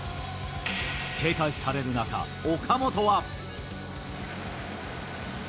警戒される中、岡本は。